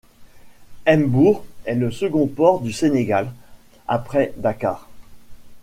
M'bour est le second port du Sénégal, après Dakar.